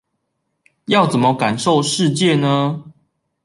要怎麼感受世界呢？